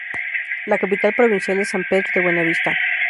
La capital provincial es San Pedro de Buena Vista.